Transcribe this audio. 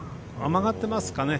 曲がってますかね。